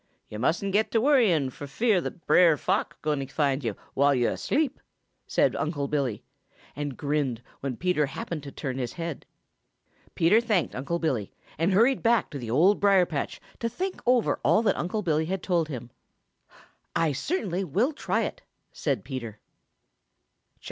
Yo' mustn't get to worrying fo' fear Brer Fox gwine to find yo' while yo' are asleep," said Unc' Billy, and grinned when Peter happened to turn his head. Peter thanked Unc' Billy and hurried back to the Old Briar patch to think over all that Unc' Billy had told him. "I certainly will try it," said Peter. XXIV.